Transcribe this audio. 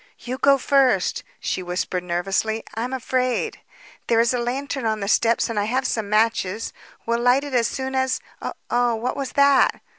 "You go first," she whispered nervously. "I'm afraid. There is a lantern on the steps and I have some matches. We'll light it as soon as Oh, what was that?"